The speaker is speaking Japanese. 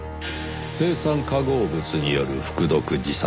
青酸化合物による服毒自殺。